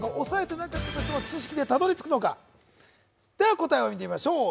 答えを見てみましょう。